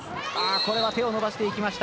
これは手を伸ばしていきました。